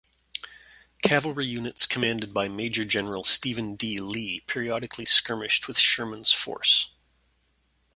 Cavalry units commanded by Major General Stephen D. Lee periodically skirmished with Sherman's force.